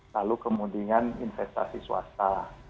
lalu kemudian investasi swasta